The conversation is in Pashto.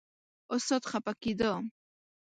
استاد خپه کېده.